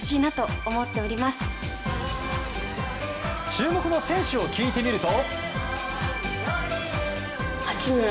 注目の選手を聞いてみると。